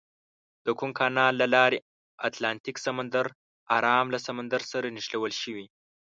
د کوم کانال له لارې اتلانتیک سمندر ارام له سمندر سره نښلول شوي؟